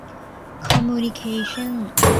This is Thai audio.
คอมมูนิเคชั่น